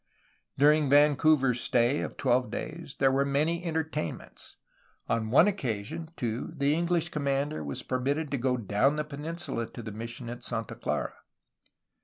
During Vancouver's stay of twelve days there were many entertainments. On one occasion, too, the English commander was permitted to go down the peninsula to the mission of Santa Clara.